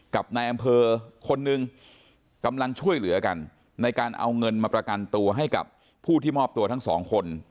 กับนายอำเภอคนหนึ่งกำลังช่วยเหลือกันในการเอาเงินมาประกันตัวให้กับผู้ที่มอบตัวทั้งสองคน